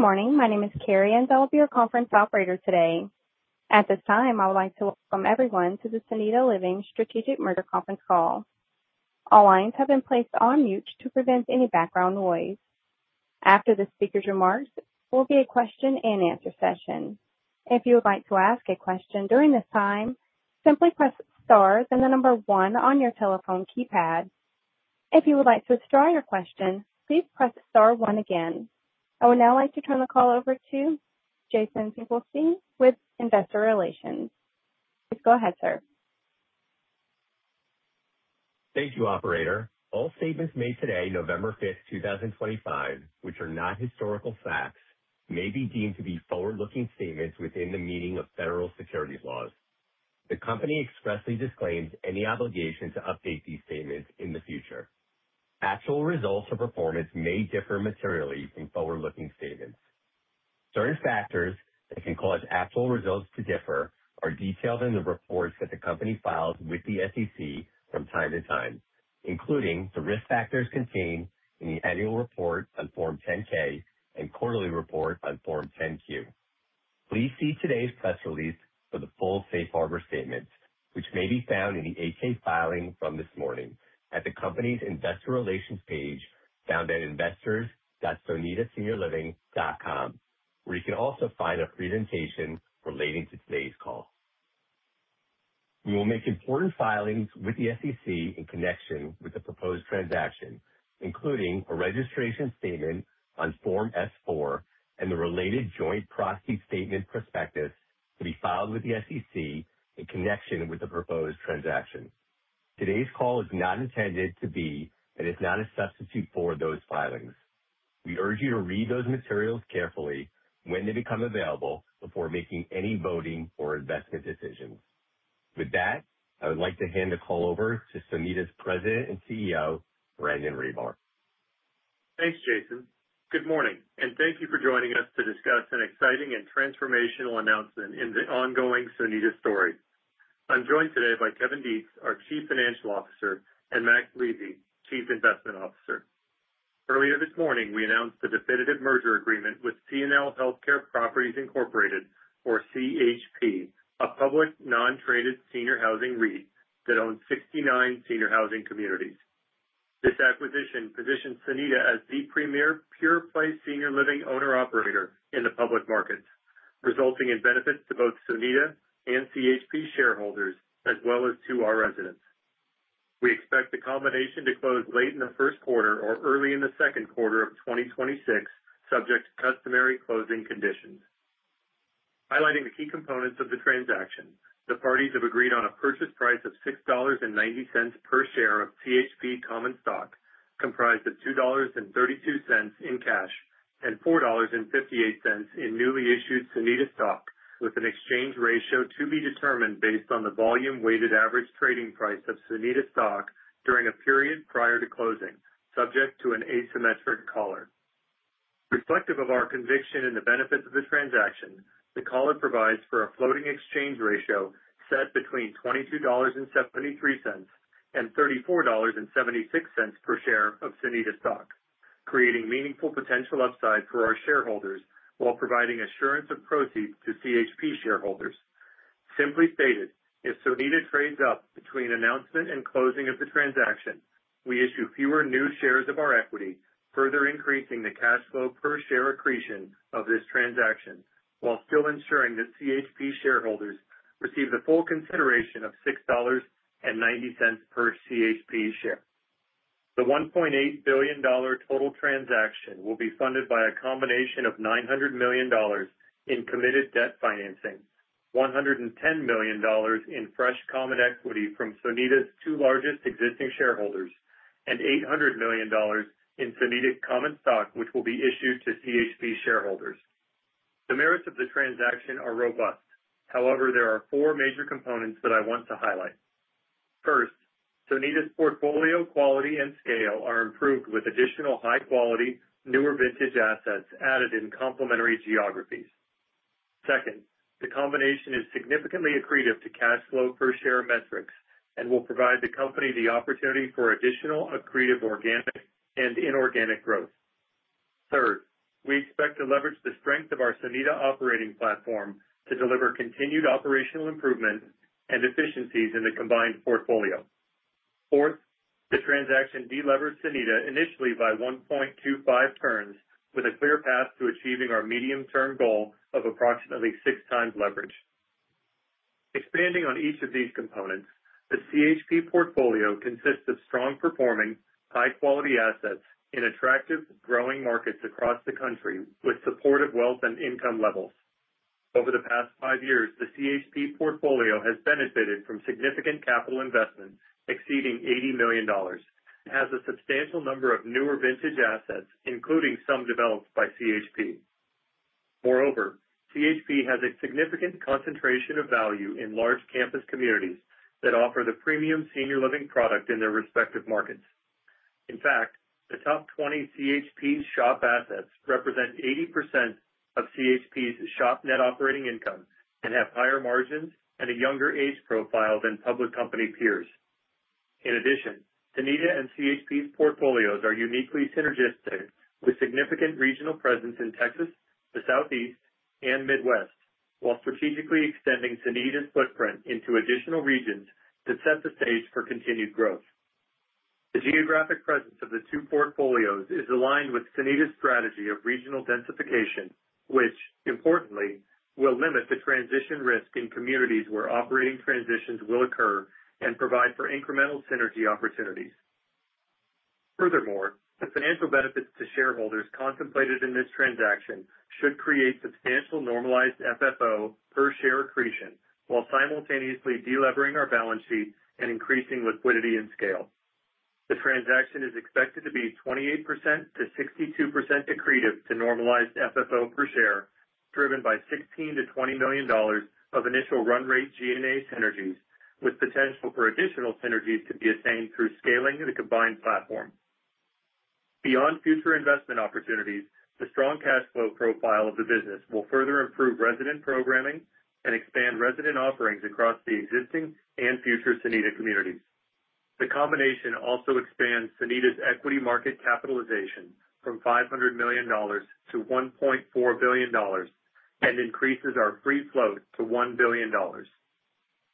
Good morning. My name is Carrie, and I'll be your conference operator today. At this time, I would like to welcome everyone to the Sonida Senior Living Strategic Merger Conference Call. All lines have been placed on mute to prevent any background noise. After the speaker's remarks, there will be a question-and-answer session. If you would like to ask a question during this time, simply press star and the number one on your telephone keypad. If you would like to withdraw your question, please press star one again. I would now like to turn the call over to Jason Finkelstein with Investor Relations. Please go ahead, sir. Thank you, Operator. All statements made today, November 5th, 2025, which are not historical facts, may be deemed to be forward-looking statements within the meaning of federal securities laws. The company expressly disclaims any obligation to update these statements in the future. Actual results or performance may differ materially from forward-looking statements. Certain factors that can cause actual results to differ are detailed in the reports that the company files with the SEC from time to time, including the risk factors contained in the annual report on Form 10-K and quarterly report on Form 10-Q. Please see today's press release for the full Safe Harbor statements, which may be found in the 8-K filing from this morning at the company's Investor Relations page found at investors.sonidaseniorliving.com, where you can also find a presentation relating to today's call. We will make important filings with the SEC in connection with the proposed transaction, including a registration statement on Form S-4 and the related joint proxy statement prospectus to be filed with the SEC in connection with the proposed transaction. Today's call is not intended to be and is not a substitute for those filings. We urge you to read those materials carefully when they become available before making any voting or investment decisions. With that, I would like to hand the call over to Sonida's President and CEO, Brandon Ribar. Thanks, Jason. Good morning, and thank you for joining us to discuss an exciting and transformational announcement in the ongoing Sonida story. I'm joined today by Kevin Detz, our Chief Financial Officer, and Max Levy, Chief Investment Officer. Earlier this morning, we announced the definitive merger agreement with CNL Healthcare Properties, Incorporated, or CHP, a public non-traded senior housing REIT that owns 69 senior housing communities. This acquisition positions Sonida as the premier pure-play senior living owner-operator in the public markets, resulting in benefits to both Sonida and CHP shareholders, as well as to our residents. We expect the combination to close late in the first quarter or early in the second quarter of 2026, subject to customary closing conditions. Highlighting the key components of the transaction, the parties have agreed on a purchase price of $6.90 per share of CHP common stock, comprised of $2.32 in cash and $4.58 in newly issued Sonida stock, with an exchange ratio to be determined based on the volume-weighted average trading price of Sonida stock during a period prior to closing, subject to an asymmetric collar. Reflective of our conviction in the benefits of the transaction, the collar provides for a floating exchange ratio set between $22.73 and $34.76 per share of Sonida stock, creating meaningful potential upside for our shareholders while providing assurance of proceeds to CHP shareholders. Simply stated, if Sonida trades up between announcement and closing of the transaction, we issue fewer new shares of our equity, further increasing the cash flow per share accretion of this transaction while still ensuring that CHP shareholders receive the full consideration of $6.90 per CHP share. The $1.8 billion total transaction will be funded by a combination of $900 million in committed debt financing, $110 million in fresh common equity from Sonida's two largest existing shareholders, and $800 million in Sonida common stock, which will be issued to CHP shareholders. The merits of the transaction are robust. However, there are four major components that I want to highlight. First, Sonida's portfolio quality and scale are improved with additional high-quality, newer vintage assets added in complementary geographies. Second, the combination is significantly accretive to cash flow per share metrics and will provide the company the opportunity for additional accretive organic and inorganic growth. Third, we expect to leverage the strength of our Sonida operating platform to deliver continued operational improvements and efficiencies in the combined portfolio. Fourth, the transaction deleveraged Sonida initially by 1.25 turns, with a clear path to achieving our medium-term goal of approximately six times leverage. Expanding on each of these components, the CHP portfolio consists of strong-performing, high-quality assets in attractive, growing markets across the country with supportive wealth and income levels. Over the past five years, the CHP portfolio has benefited from significant capital investments exceeding $80 million and has a substantial number of newer vintage assets, including some developed by CHP. Moreover, CHP has a significant concentration of value in large campus communities that offer the premium senior living product in their respective markets. In fact, the top 20 CHP SHOP assets represent 80% of CHP's SHOP net operating income and have higher margins and a younger age profile than public company peers. In addition, Sonida and CHP's portfolios are uniquely synergistic with significant regional presence in Texas, the Southeast, and Midwest, while strategically extending Sonida's footprint into additional regions to set the stage for continued growth. The geographic presence of the two portfolios is aligned with Sonida's strategy of regional densification, which, importantly, will limit the transition risk in communities where operating transitions will occur and provide for incremental synergy opportunities. Furthermore, the financial benefits to shareholders contemplated in this transaction should create substantial normalized FFO per share accretion while simultaneously deleveraging our balance sheet and increasing liquidity and scale. The transaction is expected to be 28%-62% accretive to normalized FFO per share, driven by $16-$20 million of initial run rate G&A synergies, with potential for additional synergies to be attained through scaling the combined platform. Beyond future investment opportunities, the strong cash flow profile of the business will further improve resident programming and expand resident offerings across the existing and future Sonida communities. The combination also expands Sonida's equity market capitalization from $500 million to $1.4 billion and increases our free float to $1 billion.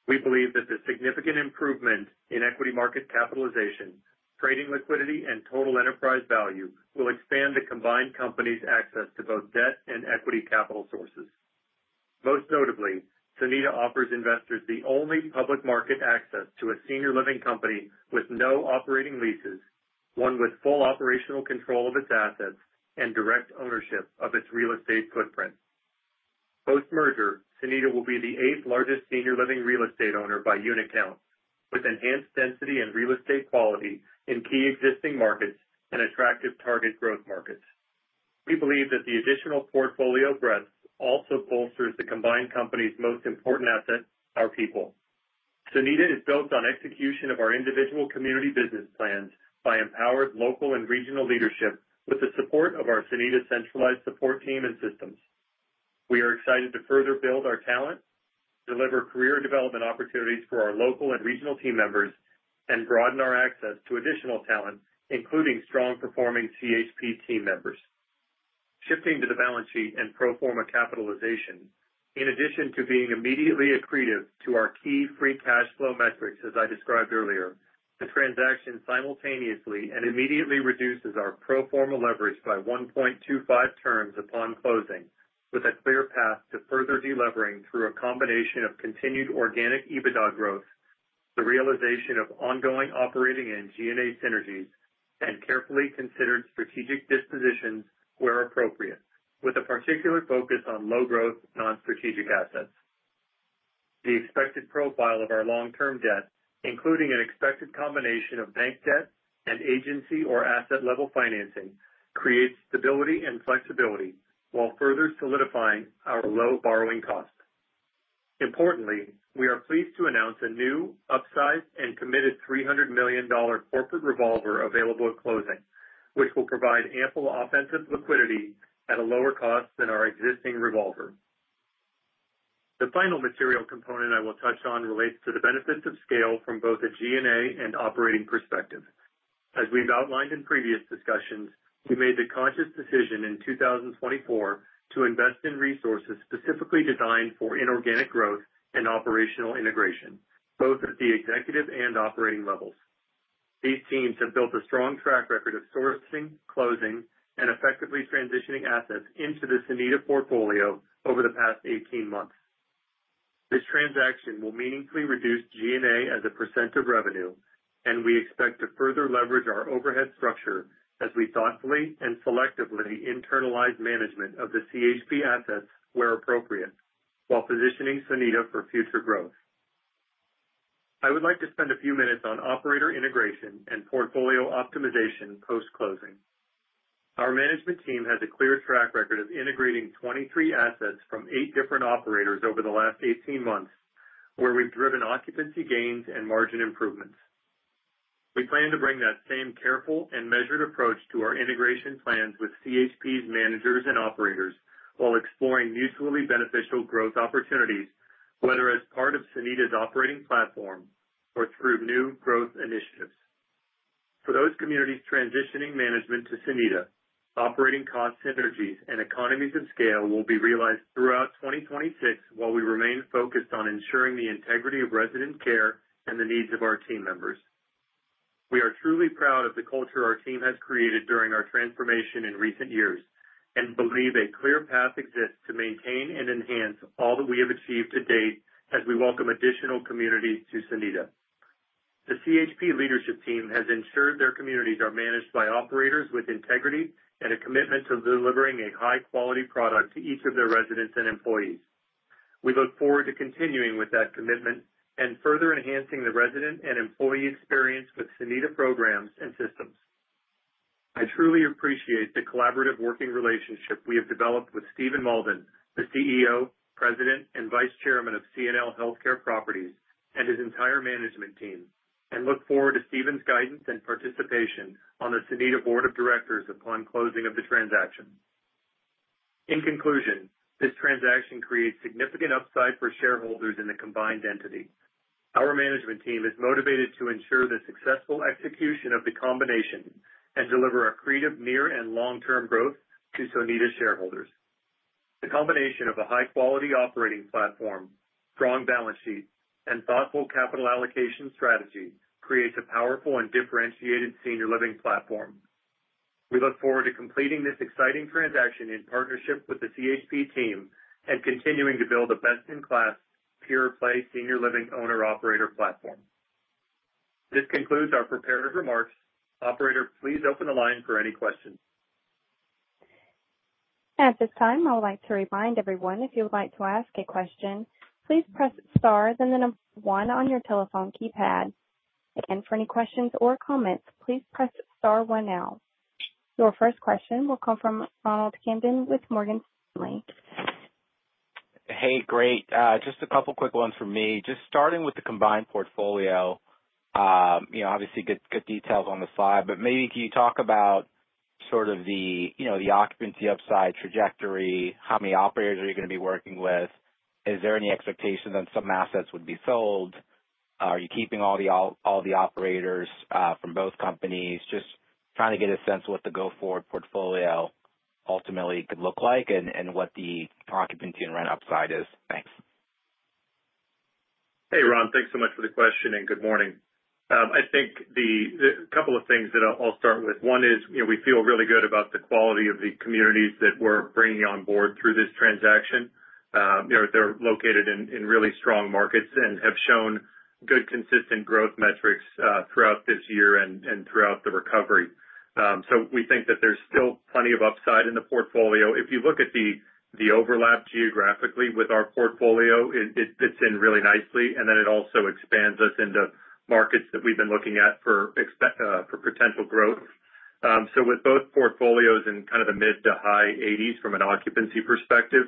We believe that the significant improvement in equity market capitalization, trading liquidity, and total enterprise value will expand the combined company's access to both debt and equity capital sources. Most notably, Sonida offers investors the only public market access to a senior living company with no operating leases, one with full operational control of its assets and direct ownership of its real estate footprint. Post-merger, Sonida will be the eighth-largest senior living real estate owner by unit count, with enhanced density and real estate quality in key existing markets and attractive target growth markets. We believe that the additional portfolio breadth also bolsters the combined company's most important asset, our people. Sonida is built on execution of our individual community business plans by empowered local and regional leadership with the support of our Sonida centralized support team and systems. We are excited to further build our talent, deliver career development opportunities for our local and regional team members, and broaden our access to additional talent, including strong-performing CHP team members. Shifting to the balance sheet and pro forma capitalization, in addition to being immediately accretive to our key free cash flow metrics, as I described earlier, the transaction simultaneously and immediately reduces our pro forma leverage by 1.25 turns upon closing, with a clear path to further deleveraging through a combination of continued organic EBITDA growth, the realization of ongoing operating and G&A synergies, and carefully considered strategic dispositions where appropriate, with a particular focus on low-growth non-strategic assets. The expected profile of our long-term debt, including an expected combination of bank debt and agency or asset-level financing, creates stability and flexibility while further solidifying our low borrowing cost. Importantly, we are pleased to announce a new, upsized, and committed $300 million corporate revolver available at closing, which will provide ample offensive liquidity at a lower cost than our existing revolver. The final material component I will touch on relates to the benefits of scale from both a G&A and operating perspective. As we've outlined in previous discussions, we made the conscious decision in 2024 to invest in resources specifically designed for inorganic growth and operational integration, both at the executive and operating levels. These teams have built a strong track record of sourcing, closing, and effectively transitioning assets into the Sonida portfolio over the past 18 months. This transaction will meaningfully reduce G&A as a percent of revenue, and we expect to further leverage our overhead structure as we thoughtfully and selectively internalize management of the CHP assets where appropriate, while positioning Sonida for future growth. I would like to spend a few minutes on operator integration and portfolio optimization post-closing. Our management team has a clear track record of integrating 23 assets from eight different operators over the last 18 months, where we've driven occupancy gains and margin improvements. We plan to bring that same careful and measured approach to our integration plans with CHP's managers and operators while exploring mutually beneficial growth opportunities, whether as part of Sonida's operating platform or through new growth initiatives. For those communities transitioning management to Sonida, operating cost synergies and economies of scale will be realized throughout 2026 while we remain focused on ensuring the integrity of resident care and the needs of our team members. We are truly proud of the culture our team has created during our transformation in recent years and believe a clear path exists to maintain and enhance all that we have achieved to date as we welcome additional communities to Sonida. The CHP leadership team has ensured their communities are managed by operators with integrity and a commitment to delivering a high-quality product to each of their residents and employees. We look forward to continuing with that commitment and further enhancing the resident and employee experience with Sonida programs and systems. I truly appreciate the collaborative working relationship we have developed with Stephen Mauldin, the CEO, President, and Vice Chairman of CNL Healthcare Properties, and his entire management team, and look forward to Stephen's guidance and participation on the Sonida Board of Directors upon closing of the transaction. In conclusion, this transaction creates significant upside for shareholders in the combined entity. Our management team is motivated to ensure the successful execution of the combination and deliver accretive near and long-term growth to Sonida shareholders. The combination of a high-quality operating platform, strong balance sheet, and thoughtful capital allocation strategy creates a powerful and differentiated senior living platform. We look forward to completing this exciting transaction in partnership with the CHP team and continuing to build a best-in-class pure-play senior living owner-operator platform. This concludes our prepared remarks. Operator, please open the line for any questions. At this time, I would like to remind everyone, if you would like to ask a question, please press star then the number one on your telephone keypad. And for any questions or comments, please press star one now. Your first question will come from Ronald Kamdem with Morgan Stanley. Hey, great. Just a couple of quick ones from me. Just starting with the combined portfolio, obviously good details on the slide, but maybe can you talk about sort of the occupancy upside trajectory, how many operators are you going to be working with, is there any expectation that some assets would be sold, are you keeping all the operators from both companies, just trying to get a sense of what the go-forward portfolio ultimately could look like and what the occupancy and rent upside is? Thanks. Hey, Ron, thanks so much for the question and good morning. I think the couple of things that I'll start with, one is we feel really good about the quality of the communities that we're bringing on board through this transaction. They're located in really strong markets and have shown good consistent growth metrics throughout this year and throughout the recovery. So we think that there's still plenty of upside in the portfolio. If you look at the overlap geographically with our portfolio, it fits in really nicely, and then it also expands us into markets that we've been looking at for potential growth. So with both portfolios in kind of the mid to high 80s from an occupancy perspective,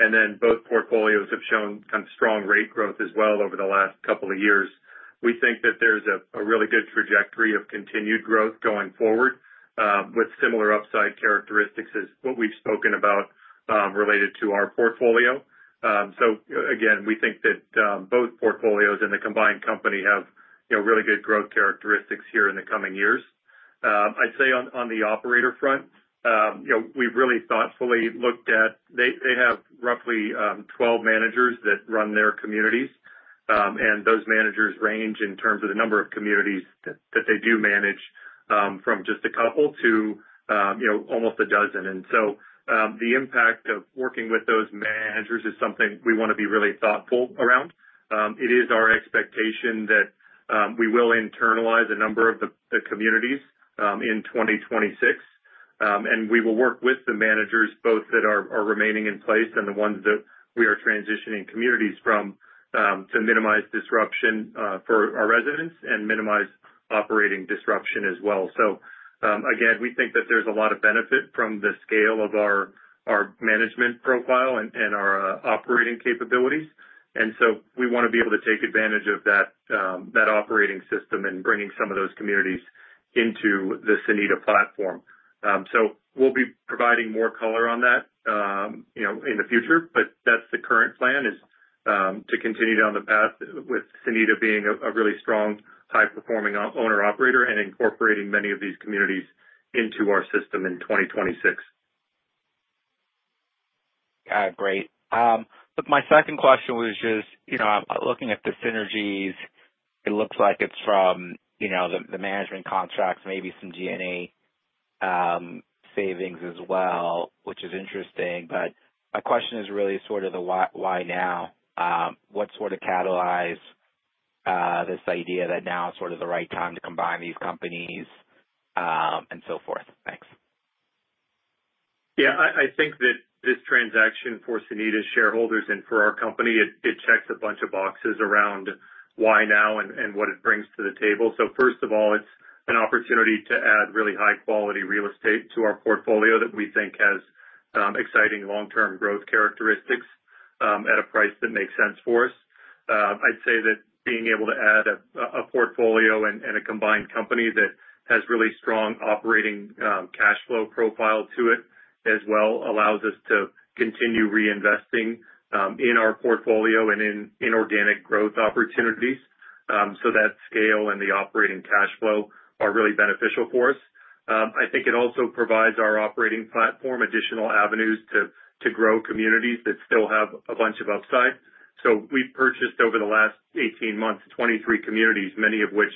and then both portfolios have shown kind of strong rate growth as well over the last couple of years, we think that there's a really good trajectory of continued growth going forward with similar upside characteristics as what we've spoken about related to our portfolio. So again, we think that both portfolios and the combined company have really good growth characteristics here in the coming years. I'd say on the operator front, we've really thoughtfully looked at they have roughly 12 managers that run their communities, and those managers range in terms of the number of communities that they do manage from just a couple to almost a dozen, and so the impact of working with those managers is something we want to be really thoughtful around. It is our expectation that we will internalize a number of the communities in 2026, and we will work with the managers both that are remaining in place and the ones that we are transitioning communities from to minimize disruption for our residents and minimize operating disruption as well. So again, we think that there's a lot of benefit from the scale of our management profile and our operating capabilities, and so we want to be able to take advantage of that operating system and bringing some of those communities into the Sonida platform. So we'll be providing more color on that in the future, but that's the current plan, is to continue down the path with Sonida being a really strong, high-performing owner-operator and incorporating many of these communities into our system in 2026. Got it. Great. Look, my second question was just looking at the synergies, it looks like it's from the management contracts, maybe some G&A savings as well, which is interesting, but my question is really sort of the why now, what sort of catalyzed this idea that now is sort of the right time to combine these companies and so forth? Thanks. Yeah, I think that this transaction for Sonida shareholders and for our company, it checks a bunch of boxes around why now and what it brings to the table. So first of all, it's an opportunity to add really high-quality real estate to our portfolio that we think has exciting long-term growth characteristics at a price that makes sense for us. I'd say that being able to add a portfolio and a combined company that has really strong operating cash flow profile to it as well allows us to continue reinvesting in our portfolio and in organic growth opportunities. So that scale and the operating cash flow are really beneficial for us. I think it also provides our operating platform additional avenues to grow communities that still have a bunch of upside. So we've purchased over the last 18 months, 23 communities, many of which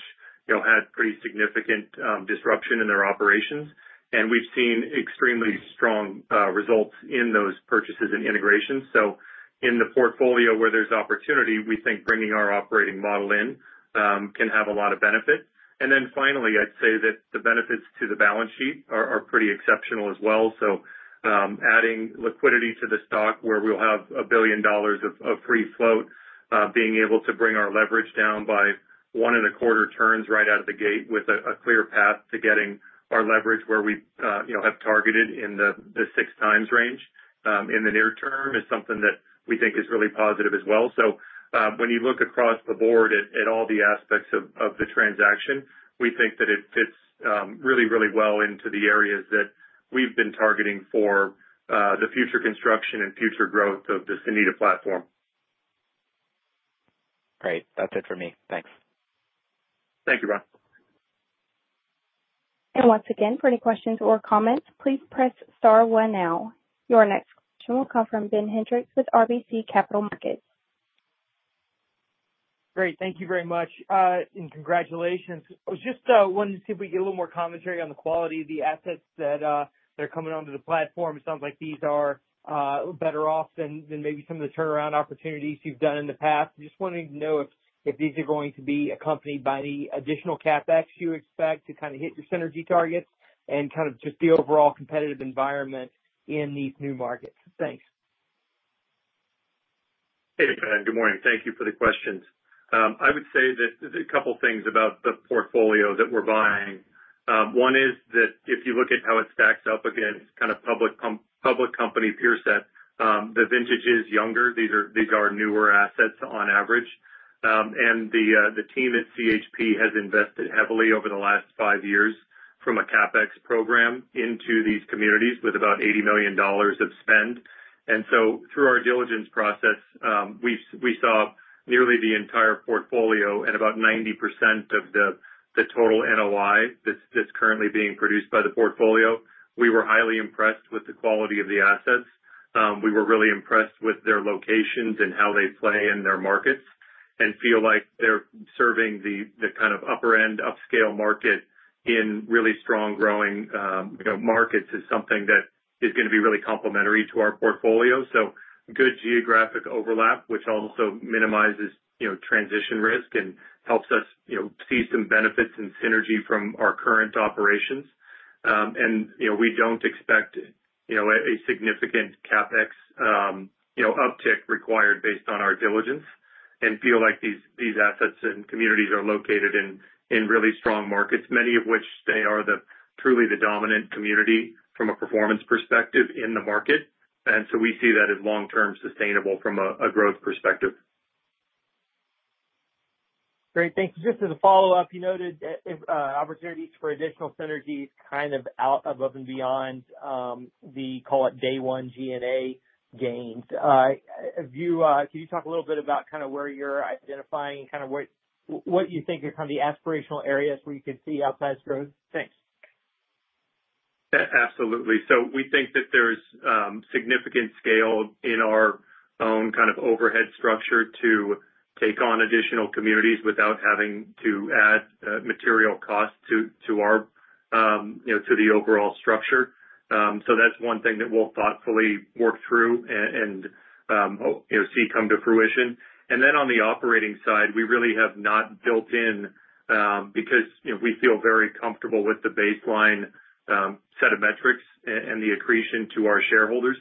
had pretty significant disruption in their operations, and we've seen extremely strong results in those purchases and integrations. So in the portfolio where there's opportunity, we think bringing our operating model in can have a lot of benefit. And then finally, I'd say that the benefits to the balance sheet are pretty exceptional as well. So adding liquidity to the stock where we'll have $1 billion of free float, being able to bring our leverage down by one and a quarter turns right out of the gate with a clear path to getting our leverage where we have targeted in the six times range in the near term is something that we think is really positive as well. So when you look across the board at all the aspects of the transaction, we think that it fits really, really well into the areas that we've been targeting for the future construction and future growth of the Sonida platform. Great. That's it for me. Thanks. Thank you, Ron. And once again, for any questions or comments, please press star one now. Your next question will come from Ben Hendrix with RBC Capital Markets. Great. Thank you very much and congratulations. I was just wanting to see if we get a little more commentary on the quality of the assets that are coming onto the platform. It sounds like these are better off than maybe some of the turnaround opportunities you've done in the past. I'm just wanting to know if these are going to be accompanied by any additional CapEx you expect to kind of hit your synergy targets and kind of just the overall competitive environment in these new markets? Thanks. Hey, good morning. Thank you for the questions. I would say that a couple of things about the portfolio that we're buying. One is that if you look at how it stacks up against kind of public company peer set, the vintage is younger. These are newer assets on average. And the team at CHP has invested heavily over the last five years from a CapEx program into these communities with about $80 million of spend. And so through our diligence process, we saw nearly the entire portfolio and about 90% of the total NOI that's currently being produced by the portfolio. We were highly impressed with the quality of the assets. We were really impressed with their locations and how they play in their markets, and feel like they're serving the kind of upper-end, upscale market in really strong growing markets is something that is going to be really complementary to our portfolio. So good geographic overlap, which also minimizes transition risk and helps us see some benefits and synergy from our current operations. And we don't expect a significant CapEx uptick required based on our diligence and feel like these assets and communities are located in really strong markets, many of which they are truly the dominant community from a performance perspective in the market. And so we see that as long-term sustainable from a growth perspective. Great. Thank you. Just as a follow-up, you noted opportunities for additional synergies kind of out above and beyond the, call it, day one G&A gains. Can you talk a little bit about kind of where you're identifying and kind of what you think are kind of the aspirational areas where you could see outsized growth? Thanks. Absolutely. So we think that there's significant scale in our own kind of overhead structure to take on additional communities without having to add material costs to the overall structure. So that's one thing that we'll thoughtfully work through and see come to fruition. And then on the operating side, we really have not built in because we feel very comfortable with the baseline set of metrics and the accretion to our shareholders.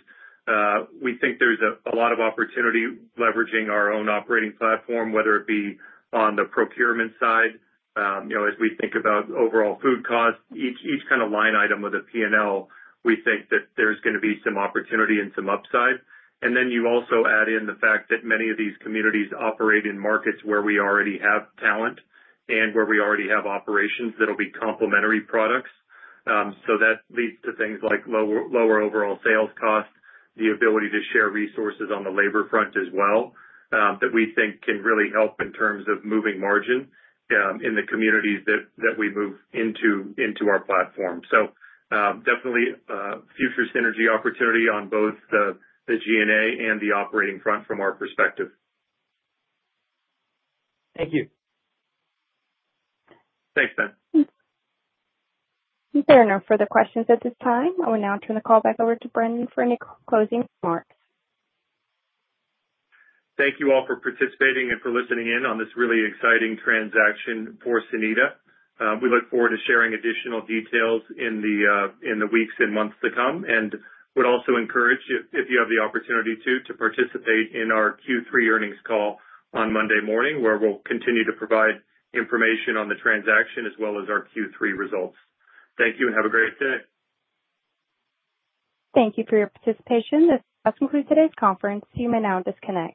We think there's a lot of opportunity leveraging our own operating platform, whether it be on the procurement side. As we think about overall food costs, each kind of line item of the P&L, we think that there's going to be some opportunity and some upside. And then you also add in the fact that many of these communities operate in markets where we already have talent and where we already have operations that will be complementary products. So that leads to things like lower overall sales costs, the ability to share resources on the labor front as well, that we think can really help in terms of moving margin in the communities that we move into our platform. So definitely future synergy opportunity on both the G&A and the operating front from our perspective. Thank you. Thanks, Ben. Thank you. There are no further questions at this time. I will now turn the call back over to Brandon for any closing remarks. Thank you all for participating and for listening in on this really exciting transaction for Sonida. We look forward to sharing additional details in the weeks and months to come. I would also encourage, if you have the opportunity to, to participate in our Q3 earnings call on Monday morning where we'll continue to provide information on the transaction as well as our Q3 results. Thank you and have a great day. Thank you for your participation. This does conclude today's conference. You may now disconnect.